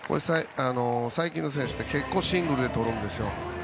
最近の選手って結構シングルでとるんですよ。